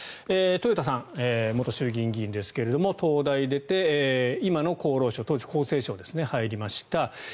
豊田さん、元衆議院議員ですが東大出て今の厚労省、当時は厚生省ですね入りました。